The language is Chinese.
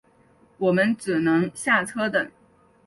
我们只能下车等